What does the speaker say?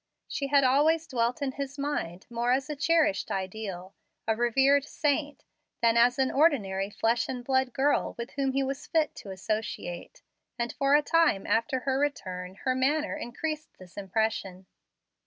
She had always dwelt in his mind, more as a cherished ideal, a revered saint, than as an ordinary flesh and blood girl with whom he was fit to associate, and for a time after her return her manner increased this impression.